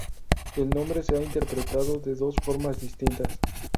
El nombre se ha interpretado de dos formas distintas.